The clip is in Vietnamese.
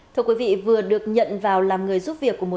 thưa quý vị vừa được nhận vào làm người giúp việc của bà phượng